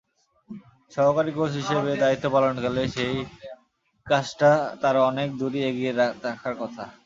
সহকারী কোচ হিসেবে দায়িত্ব পালনকালে সেই কাজটা তাঁর অনেক দূরই এগিয়ে রাখার কথা।